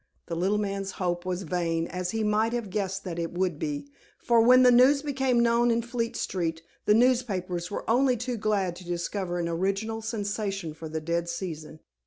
The little man's hope was vain, as he might have guessed that it would be, for when the news became known in Fleet Street, the newspapers were only too glad to discover an original sensation for the dead season.